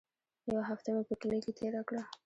يوه هفته مې په کلي کښې تېره کړه.